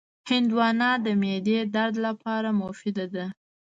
هندوانه د معدې درد لپاره مفیده ده.